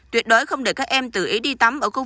tuyệt đối không để các em tự ý đi tắm ở khu vực